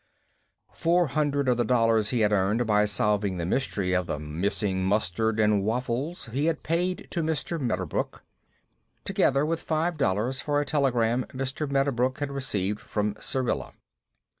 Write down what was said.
Four hundred of the dollars he had earned by solving the mystery of the missing Mustard and Waffles he had paid to Mr. Medderbrook, together with five dollars for a telegram Mr. Medderbrook had received from Syrilla.